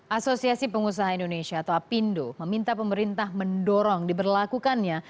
asosiasi pengusaha indonesia atau apindo meminta pemerintah mendorong diberlakukannya